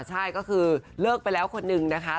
ใช่ก็คือเลิกไปแล้วคนนึงนะคะ